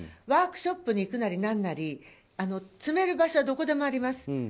ワークショップに行くなりなんなり積める場所はどこでもあります。